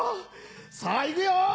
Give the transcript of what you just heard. さぁ行くよ！